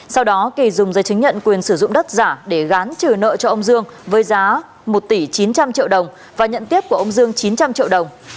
sau đó kỳ dùng giấy chứng nhận quyền sử dụng đất giả để gán trừ nợ cho ông dương với giá một tỷ chín trăm linh triệu đồng và nhận tiếp của ông dương chín trăm linh triệu đồng